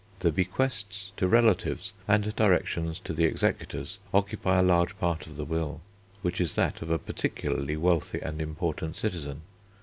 The bequests to relatives and directions to the Executors occupy a large part of the Will, which is that of a particularly wealthy and important citizen.